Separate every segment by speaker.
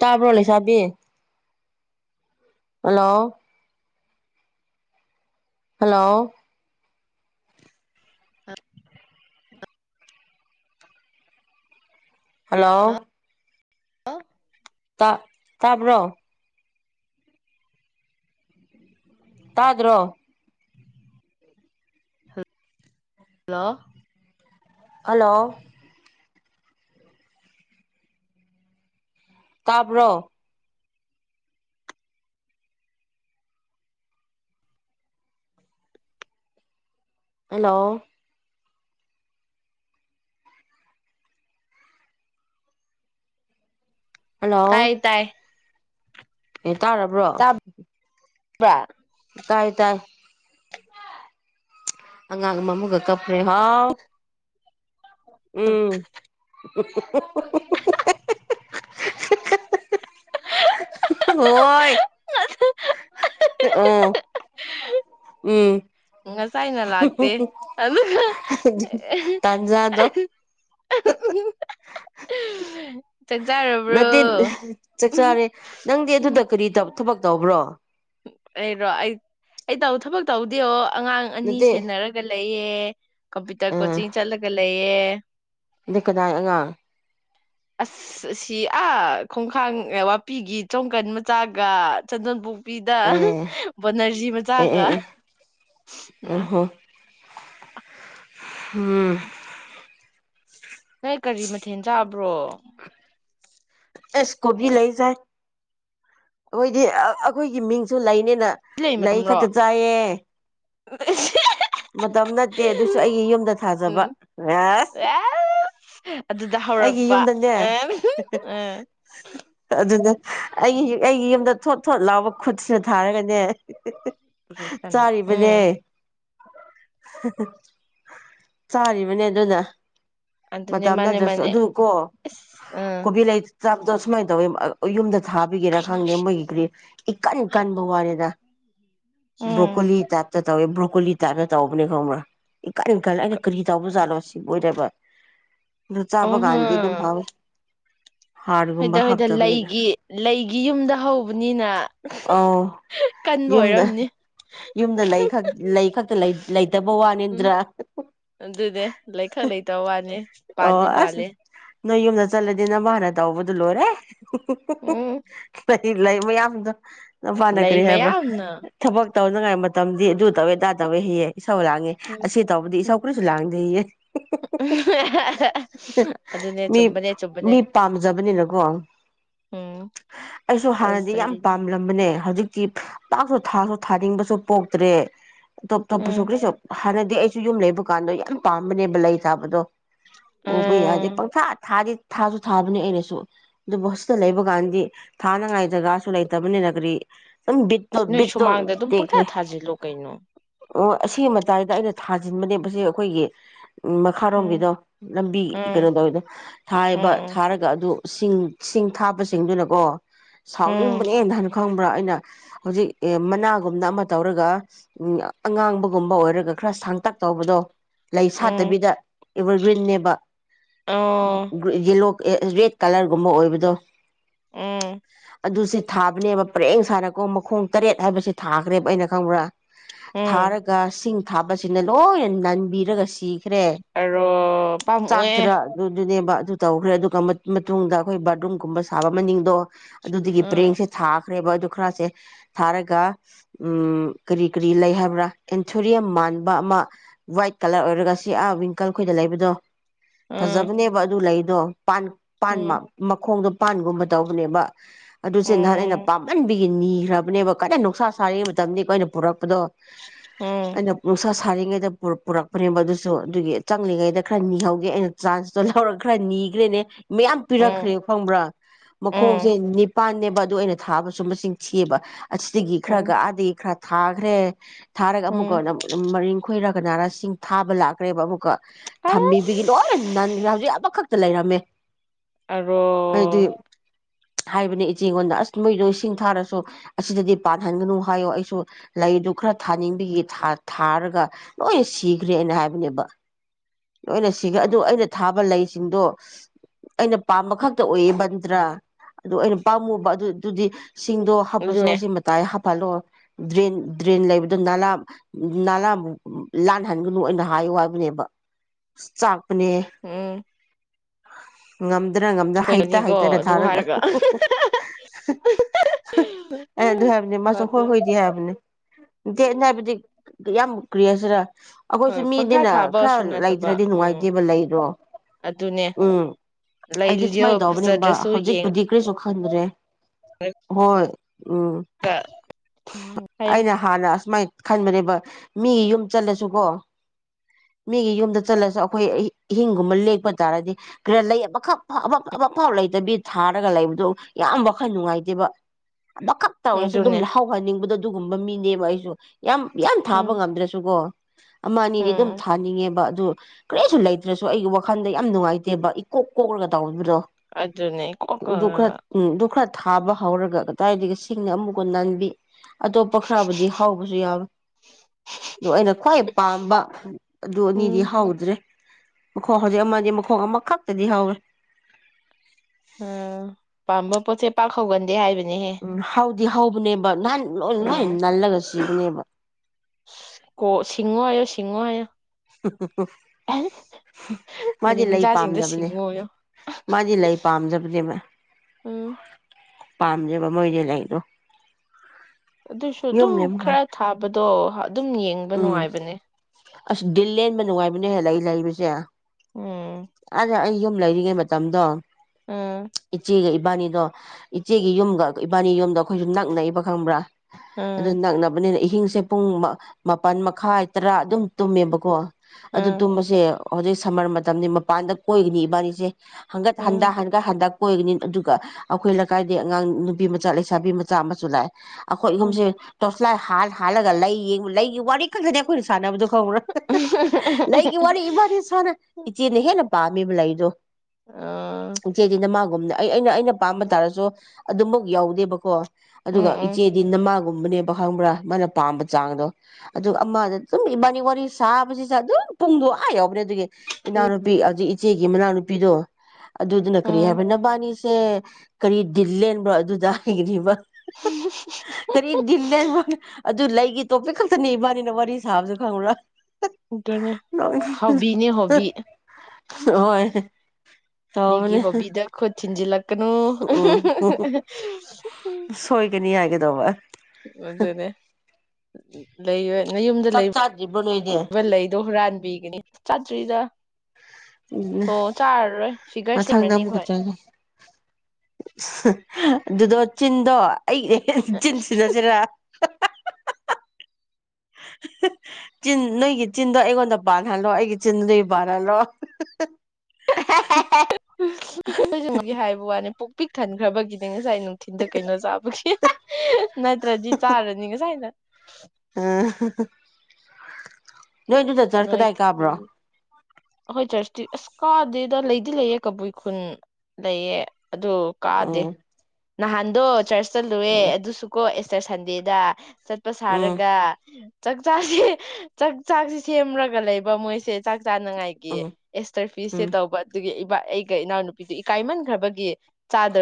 Speaker 1: ꯇꯥꯕ꯭ꯔꯣ ꯂꯩꯁꯥꯕꯤ hello hello
Speaker 2: hello
Speaker 1: hello
Speaker 2: hello
Speaker 1: ꯇ ꯇꯥꯕ꯭ꯔꯣ ꯇꯥꯗ꯭ꯔꯣ
Speaker 2: ꯍꯂꯣ
Speaker 1: ꯍꯜꯂꯣ ꯇꯥꯕ꯭ꯔꯣ ꯍꯜꯂꯣ
Speaker 2: ꯇꯥꯏ ꯇꯥꯏ
Speaker 1: ꯍ ꯇꯥꯔꯕ꯭ꯔꯣ
Speaker 2: [unintelligible]
Speaker 1: ꯇꯥꯏ ꯇꯥꯏ ꯑꯉꯥꯡ ꯑꯃꯃꯨꯒ ꯀꯞ꯭ꯔꯦ ꯍꯥꯎ ꯎꯝ ꯎ ꯍꯣꯏ ꯑꯣ ꯎꯝ
Speaker 2: ꯉꯁꯥꯏꯅ ꯂꯥꯛꯇꯦ ꯑꯗꯨꯒ
Speaker 1: ꯇꯥꯟꯖꯥꯗꯣ
Speaker 2: ꯆꯥꯛ ꯆꯥꯔꯕ꯭ꯔꯣ
Speaker 1: ꯅꯠꯇꯦ ꯆꯥꯛ ꯆꯥꯔꯦ ꯅꯪꯗꯤ ꯑꯗꯨꯗ ꯀꯔꯤ ꯇꯕ ꯊꯕꯛ ꯇꯧꯕ꯭ꯔꯣ
Speaker 2: ꯎ ꯑꯩꯔꯣ ꯑꯩ ꯑꯩ ꯇꯧ ꯊꯕꯛ ꯇꯧꯗꯦꯣ ꯑꯉꯥꯡ ꯑꯅꯤ
Speaker 1: ꯅꯠꯇꯦ
Speaker 2: ꯁꯦꯟꯅꯔꯒ ꯂꯩꯑ ꯀꯝꯄ꯭ꯌꯨꯇꯔ
Speaker 1: ꯑꯥ
Speaker 2: ꯀꯣꯆꯤꯡ ꯆꯠꯂꯒ ꯂꯩꯑ ꯄꯦ
Speaker 1: ꯅ ꯀꯗꯥꯏ ꯑꯉꯥꯡ
Speaker 2: ꯑꯁ ꯁꯤꯤꯌꯥꯥ ꯈꯣꯡꯈꯥꯡ ꯋꯥꯄꯤꯒꯤ ꯆꯣꯡꯝꯀꯟ ꯃꯆꯥꯒ ꯆꯟꯗꯣꯟꯄꯣꯛ ꯅꯨꯄꯤꯗ
Speaker 1: ꯑꯦ
Speaker 2: ꯕꯣꯅꯔꯖꯤ
Speaker 1: ꯑꯦ ꯑꯦ
Speaker 2: ꯃꯆꯥꯒ
Speaker 1: ꯑꯦ
Speaker 2: ꯅ
Speaker 1: ꯎꯝ ꯍꯝ ꯎꯝ
Speaker 2: ꯅꯣꯏ ꯀꯔꯤ ꯃꯊꯦꯜ ꯆꯥꯕ꯭ꯔꯣ
Speaker 1: ꯑꯦꯁ ꯀꯣꯕꯤ ꯂꯩꯁꯥꯏ ꯑꯩꯈꯣꯏꯗꯤ ꯑꯩꯈꯣꯏꯒꯤ ꯃꯤꯡꯁꯨ ꯂꯩ ꯅꯤꯅ ꯂꯩ ꯈꯛꯇ ꯆꯥꯏꯌꯦ
Speaker 2: ꯑ
Speaker 1: ꯃꯇꯝ ꯅꯠꯇꯦ ꯑꯗꯨꯁꯨ ꯑꯩꯒꯤ ꯌꯨꯝꯗ ꯊꯥꯖꯕ
Speaker 2: ꯎꯝ
Speaker 1: ꯑꯦꯁ
Speaker 2: ꯑꯗꯨꯗ ꯍꯧꯔꯛꯄ ꯑ ꯑ
Speaker 1: ꯑꯗꯨ ꯑꯩ ꯑꯩꯒꯤ ꯌꯨꯝꯗ ꯊꯣꯠ ꯊꯣꯠ ꯂꯥꯎꯕ ꯈꯨꯠꯁꯤꯅ ꯊꯥꯔꯒꯅꯦ ꯆꯥꯔꯤꯕꯅꯦ
Speaker 2: ꯎꯝ
Speaker 1: ꯆꯥꯔꯤꯕꯅꯦ ꯑꯗꯨꯅ
Speaker 2: ꯑꯗꯨꯅꯦ
Speaker 1: ꯃꯇꯝ
Speaker 2: ꯃꯥꯅꯦ
Speaker 1: ꯅꯠꯇ꯭ꯔꯁꯨ
Speaker 2: ꯃꯥꯅꯦ
Speaker 1: ꯑꯗꯨ ꯀꯣ
Speaker 2: ꯑꯁ ꯑꯥ
Speaker 1: ꯀꯣꯕꯤ ꯂꯩ ꯆꯥꯕꯗꯣꯁꯃꯣꯏꯗꯧꯋ ꯌꯨꯝꯗ ꯊꯥꯕꯤꯒꯦꯔꯥ
Speaker 2: ꯀꯩꯅꯣ
Speaker 1: ꯈꯪꯗꯦ ꯃꯣꯏꯒꯤ ꯀ꯭ꯔꯤ ꯏꯀꯟ ꯀꯟꯕ ꯋꯥꯔꯦꯗ
Speaker 2: ꯎꯝ
Speaker 1: ꯕ꯭ꯔꯣꯀꯣꯂꯤ ꯇꯥꯏꯞꯇ ꯇꯧꯋꯦ ꯕ꯭ꯔꯣꯀꯣꯂꯤ ꯇꯥꯅ ꯇꯧꯕꯅꯦ ꯈꯪꯕ꯭ꯔꯥ ꯏꯀ ꯏꯀ ꯑꯩꯅ ꯀꯔꯤ ꯇꯧꯕꯖꯠꯂꯣꯁꯤ ꯕꯣꯏꯗꯕꯥꯠ
Speaker 2: ꯎꯝꯍꯨꯝ
Speaker 1: ꯔꯆꯥꯕꯒꯥꯟꯖꯤꯗꯨꯃꯑꯣ
Speaker 2: ꯍꯣꯏꯗ ꯍꯣꯏꯗ ꯂꯩꯒꯤ ꯂꯩꯒꯤ ꯌꯨꯝꯗ ꯍꯧꯕꯅꯤꯅ
Speaker 1: ꯑꯧ
Speaker 2: ꯀꯟꯕ
Speaker 1: ꯌꯨꯝꯗ
Speaker 2: ꯑꯣꯏꯔꯝꯅꯤ
Speaker 1: ꯌꯨꯝꯗ ꯂꯩ ꯈꯛ ꯂꯩ ꯈꯛꯇ ꯂꯩꯇꯕ
Speaker 2: ꯎꯝ
Speaker 1: ꯋꯥꯅꯤꯗ꯭ꯔꯥ
Speaker 2: ꯑꯗꯨꯅꯦ ꯂꯩꯈꯛ ꯂꯩꯇꯕ ꯋꯥꯅꯤ
Speaker 1: ꯑꯣ
Speaker 2: ꯄꯅꯤ
Speaker 1: ꯑꯁ
Speaker 2: ꯄꯥꯂꯦ
Speaker 1: ꯅꯣꯏ ꯌꯨꯝꯗ ꯆꯠꯂꯗꯤ ꯅ ꯃꯥ ꯍꯥꯟꯅ ꯇꯧꯕꯗꯨ ꯂꯣꯏꯔꯦ
Speaker 2: ꯎꯝ
Speaker 1: [unintelligible] ꯂꯩ ꯂꯩ ꯃꯌꯥꯝꯗꯣ
Speaker 2: ꯂꯩ
Speaker 1: ꯅꯄꯥꯟꯅꯈ꯭ꯔꯦ ꯍꯥꯏꯕ꯭ꯔꯥ
Speaker 2: ꯃꯌꯥꯝꯅ
Speaker 1: ꯊꯕꯛ ꯇꯧꯅꯉꯥꯏ ꯇꯝꯗꯤ ꯨ ꯇꯧꯏ ꯑꯗꯥꯇꯧꯑ‌ꯦ ꯍꯌꯦ ꯏꯁꯥꯎ ꯂꯥꯡꯉꯦ
Speaker 2: ꯎꯝ
Speaker 1: ꯑꯁꯤ ꯇꯧꯕꯗꯤ ꯏꯁꯆꯥꯎ ꯀꯔꯤꯁꯨ ꯂꯥꯡꯗꯦ
Speaker 2: ꯎꯝ ꯑꯗꯨꯅꯦ
Speaker 1: ꯃꯤ
Speaker 2: ꯆꯨꯝꯕꯅꯦ ꯆꯨꯝꯕꯅꯦ
Speaker 1: ꯃꯤ ꯄꯥꯝꯖꯕꯅꯤꯅꯀꯣ
Speaker 2: ꯎꯝ
Speaker 1: ꯑꯩꯁꯨ ꯍꯥꯟꯅꯗꯤ ꯌꯥꯝ
Speaker 2: ꯇꯧꯖꯔꯤꯅꯦ
Speaker 1: ꯄꯥꯝꯂꯝꯕꯅꯦ ꯍꯧꯖꯤꯛ ꯄꯥꯛꯁꯨ ꯊꯥꯁꯨ ꯊꯥꯅꯤꯡꯕꯁꯨ ꯄꯣꯛꯇ꯭ꯔꯦ ꯇꯣꯞ ꯇꯣꯞꯄ
Speaker 2: ꯎꯝ
Speaker 1: ꯁꯈ꯭ꯔꯤꯁꯨꯣ ꯍ ꯍꯥꯏꯔ ꯑꯩꯁꯨ ꯌꯨꯝ ꯂꯩꯕ ꯀꯥꯟꯗꯣ ꯌꯥꯝ ꯄꯥꯝꯕꯅꯦꯕ ꯂꯩ ꯊꯥꯕꯗꯣ ꯎꯕ ꯍꯥꯏꯖꯦ
Speaker 2: ꯎꯝ
Speaker 1: ꯄ ꯊꯥ ꯊꯥꯗꯤ ꯊꯥꯁꯨ ꯊꯥꯕꯅꯦ ꯑꯩꯅꯁꯨ ꯑꯗꯨꯕꯨꯣ ꯁꯤꯗ ꯂꯩꯕ ꯀꯥꯟꯗꯤ ꯊꯥꯅꯉꯥꯏ ꯖꯒꯥꯁꯨ ꯂꯩꯇꯕꯅꯤꯅ ꯀꯔꯤ ꯑꯗꯨꯨꯝ ꯕꯤꯠꯇ
Speaker 2: ꯑꯁ
Speaker 1: ꯇꯣꯠ
Speaker 2: ꯅꯣꯏ
Speaker 1: ꯕꯤꯠꯇ ꯇꯣꯠ
Speaker 2: ꯁꯨꯃꯥꯡꯗ ꯑꯗꯨꯝ ꯄꯪꯊꯥ
Speaker 1: ꯇꯦꯛꯈ꯭ꯔꯦ
Speaker 2: ꯊꯥꯖꯤꯜꯂꯣ ꯀꯩꯅꯣ
Speaker 1: ꯑꯣ ꯑꯁꯤꯒꯤ ꯃꯇꯥꯏꯗ ꯑꯩꯅ ꯊꯥꯖꯤꯟꯕꯅꯦ ꯃꯁꯤ ꯑꯩꯈꯣꯏꯒꯤ ꯎꯝ
Speaker 2: ꯎꯝ
Speaker 1: ꯃꯈꯥꯔꯣꯝꯒꯤꯗꯣ ꯂꯝꯕꯤ ꯀꯩꯅꯣ
Speaker 2: ꯎꯝ
Speaker 1: ꯇꯧꯋꯤꯗ ꯊꯥꯏꯕ
Speaker 2: ꯎꯝ
Speaker 1: ꯊꯥꯔꯒ ꯑꯗꯨ ꯁꯤꯡ ꯁꯤꯡ ꯊꯥꯞꯄꯁꯤꯡꯗꯨꯅꯀꯣ
Speaker 2: ꯎꯝ
Speaker 1: ꯁꯥꯎꯂꯤꯕꯅꯤ ꯅꯍꯥꯟ ꯈꯪ ꯑꯩꯅ ꯍꯧꯖꯤꯛ ꯃꯅꯥꯒꯨꯝꯅ ꯑꯃ ꯇꯧꯔꯒ ꯎ ꯑꯉꯥꯡꯕꯒꯨꯝꯕ ꯑꯣꯏꯔꯒ ꯈꯔ ꯁꯥꯡꯇꯛ ꯇꯧꯕꯗꯣ ꯂꯩ
Speaker 2: ꯎꯝ ꯎꯝ
Speaker 1: ꯁꯥꯠꯇꯕꯤꯗ
Speaker 2: ꯑꯣ
Speaker 1: [unintelligible] ꯔꯦꯠ ꯀꯂꯔꯒꯨꯝꯕ ꯑꯣꯏꯕꯗꯣ
Speaker 2: ꯎꯝ
Speaker 1: ꯑꯗꯨꯁꯦ ꯊꯥꯕꯅꯦꯕ ꯄꯔꯦꯡ ꯁꯥꯟꯅꯀꯣ ꯃꯈꯣꯡ ꯇꯔꯦꯠ ꯍꯥꯏꯕꯕꯁꯤꯦ ꯊꯥꯈ꯭ꯔꯦꯕ ꯑꯩꯅ ꯈꯪꯕ꯭ꯔꯥ
Speaker 2: ꯎꯝ
Speaker 1: ꯊꯥꯔꯒ ꯁꯤꯡ ꯊꯥꯕꯁꯤꯅ ꯂꯣꯏ ꯂꯟꯕꯤꯔꯒ ꯁꯤꯈ꯭ꯔꯦ
Speaker 2: ꯄꯥꯝꯃꯨ ꯑꯦ
Speaker 1: ꯆꯥꯛꯇ꯭ꯔꯥ ꯑꯗꯨꯗꯨꯅꯦꯕ ꯑꯗꯨ ꯇꯧꯈ꯭ꯔꯦ ꯑꯗꯨꯒ ꯃꯇꯨꯡꯗ ꯑꯩꯈꯣꯏ ꯕꯥꯠꯔꯨꯝꯒꯨꯝꯕ ꯁꯥꯕ ꯃꯅꯤꯡꯗꯣ ꯑꯗꯨꯗꯒꯤ
Speaker 2: ꯎꯝ
Speaker 1: ꯄꯔꯦꯡꯁꯦ ꯊꯥꯛ ꯊꯈ꯭ꯔꯦꯕ ꯑꯗꯨ ꯈꯔꯥꯁꯦ ꯊꯥꯔꯒ ꯎ ꯀꯔꯤ ꯀꯔꯤ ꯂꯩ ꯍꯥꯏꯕ꯭ꯔꯥ ꯑꯦꯟꯊꯣꯔꯤꯌ ꯃꯥꯟꯕ ꯑꯃ ꯋꯥꯏꯠ ꯀꯂꯔ ꯑꯣꯏꯔꯒ ꯁꯤ ꯑꯥ ꯀꯜꯈꯣꯏꯗ ꯂꯩꯕꯗꯣ
Speaker 2: ꯎꯝ
Speaker 1: ꯐꯖꯕꯅꯦ ꯑ ꯑꯗꯨ ꯂꯩꯥꯏ ꯑ ꯥꯟ ꯄꯥꯟ
Speaker 2: ꯎꯝ
Speaker 1: ꯃꯈꯣꯡꯗꯣ ꯃꯄꯥꯟꯒꯨꯝꯕ ꯇꯧꯕꯅꯦꯕ ꯑꯗꯨꯁꯦ ꯅꯍꯥꯟ ꯑꯩꯅ
Speaker 2: ꯎꯝ
Speaker 1: ꯄꯥꯝꯅꯟꯕꯤ ꯒꯤ ꯅꯤꯈ꯭ꯔꯕꯅꯦꯕ ꯀꯗ ꯅꯨꯡꯁꯥ ꯁꯥꯔꯤꯉꯩ ꯃꯇꯝ ꯑꯩꯈꯣꯏꯅ ꯄꯨꯔꯛꯄꯗꯣ
Speaker 2: ꯎꯝ
Speaker 1: ꯑꯩꯅ ꯃꯁ ꯊꯥꯔꯤꯉꯩꯗ ꯄꯨꯔꯛꯄꯅꯦꯕ ꯑꯗꯨꯁꯨ ꯑꯗꯨꯒꯤ ꯆꯪꯂꯤꯉꯩꯗ ꯈꯔ ꯅꯤꯍꯧꯒꯦ ꯑꯩꯅ ꯆꯥꯟꯁꯇꯣ ꯂꯧꯔꯒ ꯈꯔ ꯅꯤꯈ꯭ꯔꯦꯅꯦ ꯃꯌꯥꯝ
Speaker 2: ꯎꯝ
Speaker 1: ꯄꯤꯔꯛꯈ꯭ꯔꯦ ꯐꯪꯕ꯭ꯔꯥ ꯃꯈꯣꯡꯁꯦ
Speaker 2: ꯎꯝ
Speaker 1: ꯄꯥꯟꯅꯦꯦꯕ ꯑꯗꯨ ꯑꯩꯅ ꯊꯥꯕ ꯁꯨꯝꯕꯁꯤꯡ ꯊꯤꯑꯕ ꯑꯁꯤꯗꯒꯤ
Speaker 2: ꯎꯝ
Speaker 1: ꯈꯔꯒ ꯑꯥꯗꯒꯤ ꯈꯔ ꯊꯥꯈ꯭ꯔꯦ ꯊꯥꯔꯒ ꯑꯃꯨꯛꯀ
Speaker 2: ꯎꯝ
Speaker 1: ꯑꯣꯏꯅ ꯃꯔꯤꯡ ꯈꯣꯏꯔꯒ ꯀꯅꯥꯅꯁꯤꯡ ꯊꯥꯕ ꯂꯥꯛꯈ꯭ꯔꯦꯕ ꯑꯃꯨꯛꯀ ꯊꯝꯕꯤꯕꯒꯤ ꯂꯣꯏꯔ ꯅꯟꯒꯤ
Speaker 2: ꯑꯁ
Speaker 1: ꯍꯧꯖꯤꯛꯈꯛ ꯇ ꯂꯩꯔꯝꯃꯦ ꯑꯗꯨꯏ
Speaker 2: ꯑꯣ
Speaker 1: ꯍꯥꯏꯕꯅꯦ ꯏꯆꯦꯉꯣꯟꯗ ꯑꯁ ꯅꯣꯏꯗꯣ ꯏꯁꯤꯡ ꯊꯥꯔꯁꯨ ꯑꯁꯤꯗꯗꯤ ꯄꯥꯟꯍꯟꯒꯅꯨ ꯍꯥꯏꯌꯣ ꯑꯩꯁꯨ ꯂꯩꯗꯨ ꯈꯔ ꯊꯥꯅꯤꯡꯕꯒꯤ ꯊꯥꯔꯒ ꯂꯣꯏꯅ ꯁꯤꯈ꯭ꯔꯦꯅ ꯍꯥꯏꯕꯅꯦꯕ ꯅ ꯁꯤꯒ ꯑꯗꯨ ꯑꯩꯅ ꯊꯥꯕ ꯂꯩꯁꯤꯡꯗꯣ ꯑꯩꯅ ꯄꯥꯝꯕ ꯈꯛꯇ ꯑꯣꯏꯌꯦꯕꯟꯇ꯭ꯔꯥ ꯑꯗꯨ ꯑꯩꯅ ꯄꯥꯝꯃꯨꯕ ꯑꯗꯨ ꯑꯗꯨꯗꯤ ꯁꯤꯡꯗꯣ ꯍꯥꯞꯄꯁꯨ
Speaker 2: ꯑꯗꯨꯅꯦ
Speaker 1: ꯑꯁꯤ ꯃꯇꯥꯏ ꯐꯜꯂꯣ ꯗ꯭ꯔꯦꯟ ꯗ꯭ꯔꯦꯟ ꯂꯩꯕꯗ ꯂꯥ ꯅꯥꯂꯥꯕꯨꯨꯛ ꯂꯥꯟꯍꯟꯒꯅꯨ ꯑꯣꯏꯅ ꯍꯥꯏꯌꯨ ꯍꯥꯏꯕꯅꯦꯕ ꯆꯠ ꯑꯅꯦ
Speaker 2: ꯎꯝ
Speaker 1: ꯉꯝ ꯗꯅ ꯉꯝꯗ ꯍꯩꯇ
Speaker 2: ꯑꯩꯈꯣꯏꯅꯅꯤꯀꯣ
Speaker 1: ꯍꯩꯇꯅ
Speaker 2: ꯑꯗꯨ
Speaker 1: ꯊꯥꯔꯒ
Speaker 2: ꯍꯥꯏꯔꯒ
Speaker 1: ꯑꯦ ꯑꯗꯨ ꯍꯥꯏꯕꯅꯤ ꯃꯥꯁꯨ ꯍꯣꯏ ꯍꯣꯏꯗꯤ ꯍꯥꯏꯕꯅꯤ ꯎꯝ ꯗꯦꯠꯅꯦ ꯍꯥꯏꯕꯗꯤ ꯌꯥꯝ ꯀ꯭ꯔꯤꯌꯥꯁꯤ꯭ꯔꯥ ꯑꯩꯈꯣꯏꯁꯨ
Speaker 2: ꯍꯣꯏ ꯄꯪꯊꯥ
Speaker 1: ꯃꯤꯅꯤꯅ ꯈꯔ
Speaker 2: ꯊꯥꯕꯁꯨ ꯅꯠꯇꯕ
Speaker 1: ꯂꯩꯗ꯭ꯔꯗꯤ
Speaker 2: ꯎꯝ
Speaker 1: ꯅꯨꯡꯉꯥꯏꯇꯦꯕ ꯂꯩꯗꯣ
Speaker 2: ꯑꯗꯨꯅꯦ
Speaker 1: ꯎꯝ ꯑꯩꯗꯤ ꯁꯨꯃꯥꯏꯅ
Speaker 2: ꯂꯩꯗꯣ
Speaker 1: ꯇꯧꯕꯅꯦ
Speaker 2: ꯐꯖꯗ꯭ꯔꯁꯨ ꯌꯦꯡꯉꯒ
Speaker 1: ꯍꯧꯖꯤꯛꯄꯨꯗꯤ ꯀ ꯁꯨ ꯈꯗ꯭ꯔꯦ ꯍꯣꯏ ꯎꯝ
Speaker 2: ꯍꯥꯏꯌꯣ
Speaker 1: ꯑꯩꯅ ꯍꯥꯟꯅ ꯑꯁꯨꯃꯥꯏ ꯈꯟꯕꯅꯦꯕ ꯃꯤꯒꯤ ꯌꯨꯝ ꯆꯠꯂꯁꯨꯀꯣ ꯃꯤꯒꯤ ꯌꯨꯝ ꯑꯗ ꯆꯠꯂꯁꯨ ꯑꯩꯈꯣꯏ ꯑꯍꯤꯡꯒꯨꯝꯕ ꯂꯦꯛꯄ ꯇꯥꯔꯗꯤ ꯈꯔ ꯂꯩ ꯑꯕꯈꯛꯕ ꯑꯕ ꯐꯥꯎ ꯂꯩꯇꯕꯤ ꯊꯥꯔꯒ ꯂꯩꯕꯗꯣ ꯌꯥꯝ ꯋꯥꯈꯜ ꯅꯨꯡꯉꯥꯏꯇꯦꯕ ꯑ ꯀ ꯇꯧꯔꯤꯁꯨ ꯑꯗꯨꯝ
Speaker 2: ꯑꯗꯨꯅꯦ
Speaker 1: ꯍꯧꯍꯟꯅꯤꯡꯕꯗꯣ ꯑꯗꯨꯒꯨꯝꯕ ꯃꯤꯅꯦꯕ ꯑꯩꯁꯨ [unintelligible] ꯌꯥꯝ ꯌꯥꯝ ꯊꯥꯕ
Speaker 2: ꯎꯝ
Speaker 1: ꯉꯝꯗ꯭ꯔꯁꯨꯀꯣ ꯑꯃ ꯑꯅꯤꯗꯤ ꯑꯗꯨꯝ
Speaker 2: ꯎꯝ
Speaker 1: ꯊꯥꯅꯤꯡꯉꯦꯕ ꯑꯗꯨ ꯀꯔꯤꯁꯨ ꯂꯩꯇ꯭ꯔꯁꯨ ꯑꯩꯒꯤ ꯋꯥꯈꯟꯗ ꯌꯥꯝ ꯅꯨꯡꯉꯥꯏꯇꯦꯕ ꯏ ꯀꯣꯛ ꯀꯣꯛꯂꯒ ꯇꯧꯔꯤꯕꯅꯣ
Speaker 2: ꯑꯖꯅꯤ ꯀꯣ ꯀꯒ
Speaker 1: ꯑꯗꯨ ꯈꯔ ꯊꯥꯕ ꯍꯧꯔꯒ ꯀꯗꯥꯏꯗꯒꯤꯒ ꯁꯤꯡꯅ ꯑꯃꯨꯛꯀ ꯅꯥꯟꯕꯤ ꯑꯇꯣꯞꯄ ꯈꯔꯕꯨꯗꯤ ꯍꯥꯎꯕꯁꯨ ꯌꯥꯕ ꯑꯗꯨ ꯑꯩꯅ ꯈ꯭ꯋꯥꯏ ꯄꯥꯝꯕ ꯑꯗꯨ ꯑꯅꯤꯗꯤ
Speaker 2: ꯎꯝ
Speaker 1: ꯗ꯭ꯔꯦ ꯃꯈꯣꯡ ꯍꯧꯖꯤꯛ ꯑꯃꯗꯤ ꯃꯈꯣꯡ ꯑꯃꯈꯛꯇꯗꯤ ꯍꯧꯋꯦ
Speaker 2: ꯎꯝ ꯄꯥꯝꯕ ꯄꯣꯠꯁꯦ ꯄꯥꯛ ꯍꯧꯒꯗꯦ ꯍꯥꯏ ꯑ
Speaker 1: ꯗꯤ ꯍꯧꯕꯅꯦꯕ ꯅꯍꯥꯟ ꯅꯜꯒꯁꯤ ꯁꯤꯖꯤꯕꯅꯦꯕ
Speaker 2: ꯀꯣ ꯁꯤꯁꯤꯡꯍ ꯍꯥꯏꯣ ꯊꯉꯣ ꯍꯥꯏ
Speaker 1: ꯃꯥꯗꯤ
Speaker 2: ꯃꯅꯤꯡ
Speaker 1: ꯂꯩ
Speaker 2: ꯃꯆꯥꯁꯤꯡꯗ
Speaker 1: ꯄꯥꯝꯖꯕꯅꯦ
Speaker 2: ꯁꯤꯡꯉꯣ ꯍꯥꯏꯌꯣ
Speaker 1: ꯃꯥꯗꯤ ꯂꯩ ꯄꯥꯝꯖꯕꯅꯦ ꯃꯥ
Speaker 2: ꯎꯝ
Speaker 1: ꯄꯥꯝꯖꯕ ꯃꯣꯏꯒꯤ ꯂꯥꯏꯔꯤꯛꯇꯣ
Speaker 2: ꯑꯗꯨꯁꯨ ꯑꯗꯨꯝ ꯈꯔ ꯊꯥꯕꯗꯣ ꯑꯗꯨꯝ ꯌꯦꯡꯕ
Speaker 1: ꯎꯝ
Speaker 2: ꯅꯨꯡꯉꯥꯏꯕꯅꯦ
Speaker 1: ꯑꯁ ꯗꯤꯜ ꯂꯦꯟꯕ ꯅꯨꯡꯉꯥꯏꯕꯅꯦ ꯍꯂ ꯂꯩꯕꯁꯦ
Speaker 2: ꯎꯝ
Speaker 1: ꯑꯗ ꯑ ꯂꯩꯔꯤꯉꯩ ꯃꯇꯝꯗꯣ
Speaker 2: ꯎꯝ
Speaker 1: ꯏꯆ ꯏꯕꯥꯅꯤꯗꯣ ꯏꯆꯦꯒꯤ ꯌꯨꯝꯒ ꯏꯕꯥꯅꯤ ꯌꯨꯝꯗꯣ ꯑꯩꯈꯣꯏꯁꯨ ꯅꯛꯅꯏꯕ ꯈꯪꯕ꯭ꯔꯥ ꯑꯗꯨꯣ
Speaker 2: ꯎꯝ
Speaker 1: ꯅꯪꯅꯕꯅꯤꯅ ꯑꯍꯤꯡꯁꯦ ꯄꯨꯡ ꯃꯥꯄꯜ ꯃꯈꯥꯏ ꯇꯔꯥ ꯑꯗꯨꯝ ꯇꯨꯝꯃꯦꯕꯀꯣ ꯑꯗꯨ
Speaker 2: ꯎꯝ
Speaker 1: ꯇꯨꯝꯕꯁꯦ ꯑꯣ ꯍꯧꯖꯤꯛ ꯁꯝꯃꯔ ꯃꯇꯝꯅꯤ ꯃꯄꯥꯟꯗ ꯀꯣꯏꯒꯅꯤ ꯏꯕꯥꯅꯤꯁꯦ ꯍꯪꯒꯗ ꯍꯟꯗ
Speaker 2: ꯎꯝ
Speaker 1: ꯍꯟꯒꯥ ꯍꯟꯗꯒ ꯑꯣꯏꯣꯏꯒꯅꯤ ꯑꯗꯨꯒ ꯑꯩꯈꯣꯏ ꯂꯩꯀꯥꯏꯗ ꯑꯉꯥꯡ ꯅꯨꯄꯤ ꯃꯆꯥ ꯂꯩꯁꯥꯕꯤ ꯃꯆꯥ ꯑꯃꯁꯨ ꯂꯥꯛꯑꯦ ꯑꯩꯈꯣꯏ
Speaker 2: ꯎꯝ
Speaker 1: ꯏꯍꯨꯝꯁꯦ ꯥꯏ ꯍꯥꯜꯂꯒ ꯂꯩ ꯌꯦꯡꯕ ꯂꯩꯒꯤ ꯋꯥꯔꯤ ꯈꯗꯅꯦ ꯑꯩꯈꯣꯏꯅ ꯁꯥꯟꯅꯕꯗ ꯈ ꯂꯩꯒꯤ ꯋꯥꯔꯤ ꯏꯃꯗꯤ ꯁꯥꯅ ꯏꯆꯦꯅ ꯍꯦꯟꯅ ꯄꯥꯃꯤ ꯃꯂꯏꯗꯣ
Speaker 2: ꯑ
Speaker 1: ꯦꯅ ꯃꯥ [unintelligible] ꯨ ꯑꯩ ꯑꯩꯅ ꯑꯩꯅ ꯄꯥꯝꯕ ꯇꯥꯔꯁꯨ ꯑꯗꯨꯃꯛ ꯌꯥꯎꯗꯦꯕꯀꯣ
Speaker 2: ꯎꯝ
Speaker 1: ꯑꯗꯨꯒ
Speaker 2: ꯎꯝ
Speaker 1: ꯏꯆꯦꯗꯤ ꯃꯥ ꯚꯨꯝꯕꯅꯦꯕ ꯈꯪꯕ꯭ꯔ ꯃꯅꯥ ꯄꯥꯝꯕ ꯆꯥꯡꯗꯣ ꯑꯗꯣ ꯑꯃꯗ ꯇꯨꯝ ꯋꯥꯔꯤ ꯁꯥꯕꯁꯤ ꯑꯗꯨ ꯄꯨꯡꯗꯣ ꯑꯥ ꯌꯎꯕꯅꯦ ꯑꯗꯨꯒꯤ ꯏꯅꯥꯎꯅꯨꯄꯤ ꯑꯖꯤ ꯏꯆꯦꯒꯤ ꯃꯅꯥꯎꯅꯨꯄꯤꯗꯣ ꯑꯗꯨ ꯑꯗꯨꯅ ꯀꯔꯤ
Speaker 2: ꯎꯝ
Speaker 1: ꯍꯥꯏꯕ ꯅꯕꯥꯅꯤ ꯁꯦ ꯀꯔꯤ ꯗꯤꯜꯂꯕ꯭ꯔꯣ ꯑꯗꯨꯗ ꯍꯥꯏꯈ꯭ꯔꯤꯕ ꯀꯔꯤ ꯗꯤꯜ ꯂꯦꯜꯕ ꯑꯗꯨ ꯂꯩꯒꯤ ꯇꯣꯄꯤꯛ ꯈꯛꯇꯅꯤ ꯏꯕꯥꯅꯤꯅ ꯋꯥꯔꯤ ꯁꯥꯕꯁꯨ [unintelligible] ꯍꯣꯏ
Speaker 2: ꯍꯣꯕꯤꯅꯦ ꯍꯣꯕꯤ ꯃꯤꯒꯤ
Speaker 1: ꯇꯧꯕꯅꯦ
Speaker 2: ꯍꯣꯕꯤꯗ ꯈꯨꯠ ꯊꯤꯟꯖꯤꯜꯂꯛ ꯀꯅꯨ
Speaker 1: ꯎꯝ ꯗꯋꯥ
Speaker 2: ꯑꯗꯨꯅꯦ ꯂꯩ ꯅ ꯌꯨꯝꯗ
Speaker 1: ꯆꯥꯛ
Speaker 2: ꯂꯩ
Speaker 1: ꯆꯥꯗ꯭ꯔꯤꯕ꯭ꯔꯣ ꯅꯣꯏꯗꯤ
Speaker 2: ꯂꯩꯗꯣ ꯍꯨꯔꯥꯟ ꯕꯤꯒꯅꯤ ꯆꯥꯗ꯭ꯔꯤꯗ
Speaker 1: ꯎꯝ
Speaker 2: ꯊꯣ ꯆꯥꯔꯔꯣꯏ ꯐꯤꯒꯔ
Speaker 1: ꯃꯊꯪꯗ
Speaker 2: ꯁꯤꯡꯔꯅꯤ
Speaker 1: ꯑꯃꯨꯛ
Speaker 2: ꯑꯩꯈꯣꯏ
Speaker 1: ꯀꯠꯆꯒꯦ ꯑꯗꯨꯗꯣ ꯆꯤꯟꯗꯣ ꯑꯩꯅꯦ ꯆꯤꯟ ꯁꯤꯟꯅꯁꯤꯔ ꯆꯤꯟ ꯅꯣꯏꯒꯤ ꯆꯤꯟꯗꯣ ꯑꯩꯉꯣꯟꯗ ꯕꯥꯜꯍꯜꯂꯣ ꯑꯩꯒꯤ ꯆꯤꯟꯗꯣ ꯅꯣꯏ ꯕꯥꯜꯍꯜꯂꯣ
Speaker 2: [unintelligible] ꯅꯣꯏꯖꯃꯒꯤ ꯍꯥꯏꯕ ꯋꯥꯅꯤ ꯄꯤꯛ ꯊꯟꯈ꯭ꯔꯕꯒꯤꯅꯤ ꯉꯁꯥꯏ ꯅꯨꯡꯊꯤꯟꯗ ꯀꯩꯅꯣ ꯆꯥꯕꯒꯤ ꯅꯠꯇ꯭ꯔꯗꯤ ꯆꯥꯔꯅꯤ ꯉꯁꯥꯏꯅ
Speaker 1: ꯑ [unintelligible] ꯅꯣꯏ ꯑꯗꯨꯗ ꯆꯠ ꯀꯗꯥꯏ
Speaker 2: ꯅꯣꯏꯈ꯭ꯔꯤ
Speaker 1: ꯀꯥꯕ꯭ꯔꯣ
Speaker 2: ꯑꯩꯈꯣꯏ ꯆꯔꯁꯇꯤ ꯑꯁ ꯀꯥꯗꯦꯗ ꯂꯩꯗꯤ ꯂꯩꯑ ꯀꯕꯨꯏ ꯈꯨꯟ ꯂꯩꯌꯦ ꯑꯗꯨ ꯀꯥꯗꯦ
Speaker 1: ꯎꯝ
Speaker 2: ꯅꯟꯗ ꯆꯁ ꯆꯠꯂꯨꯑꯦ
Speaker 1: ꯎꯝ
Speaker 2: ꯑꯗꯨꯁꯨ ꯀꯣ ꯁꯟꯗꯦꯗ ꯆꯠꯄ
Speaker 1: ꯎꯝ
Speaker 2: ꯁꯥꯔꯒ ꯆꯥꯛ ꯆꯁꯦ ꯆꯥꯛ ꯆꯥꯛꯁꯦ ꯁꯦꯝꯔꯒ ꯂꯩꯕ ꯃꯣꯏꯁꯦ ꯆꯥꯛ ꯆꯥꯅꯉꯥꯏ
Speaker 1: ꯎꯝ
Speaker 2: ꯑꯦꯁꯇꯔ ꯐꯁꯦ
Speaker 1: ꯎꯝ
Speaker 2: ꯇꯧꯕ ꯑꯗꯨꯒꯤ ꯑꯩꯒ ꯏꯅꯥꯎꯅꯨꯄꯤꯗꯨ ꯏꯀꯥꯏꯃꯟꯈ꯭ꯔꯕꯒꯤ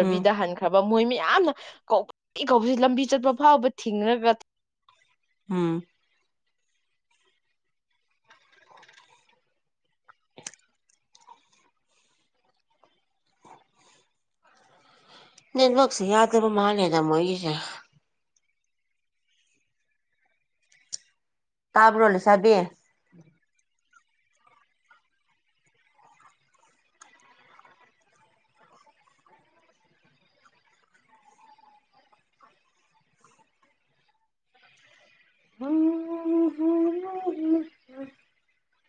Speaker 1: ꯎꯝ
Speaker 2: ꯍꯟꯈ꯭ꯔꯕ ꯃꯣꯏ ꯌꯥꯝꯅ ꯀꯧ ꯀꯁꯤ ꯂꯝꯕꯤ ꯆꯠꯄ ꯐꯥꯎꯕ ꯊꯤꯡꯉꯒ
Speaker 1: ꯑꯝ ꯅꯕꯁ ꯌꯥꯗ ꯃꯥꯅꯦꯗ ꯃꯁꯦ ꯇꯥꯕꯔ ꯍꯂ ꯆꯕꯤ ꯍ